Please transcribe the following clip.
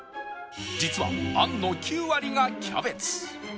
実はあんの９割がキャベツ